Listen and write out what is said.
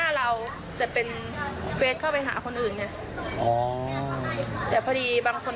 ใช่ค่ะเป็นเพื่อนของพี่ชายจิน